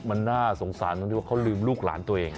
มันน่าสงสารตรงที่ว่าเขาลืมลูกหลานตัวเอง